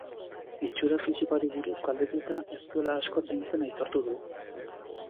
Itxura fisikoari buruz galdetuta, ez duela asko zaintzen aitortu du.